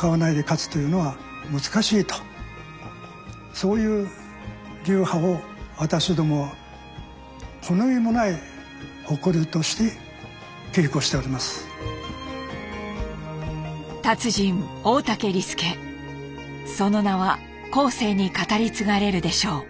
そういう流派をその名は後世に語り継がれるでしょう。